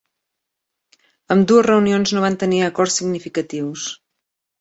Ambdues reunions no van tenir acords significatius.